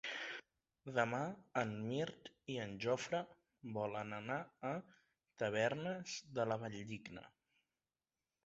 Demà en Mirt i en Jofre volen anar a Tavernes de la Valldigna.